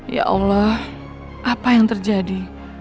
ya allah apa yang terjadi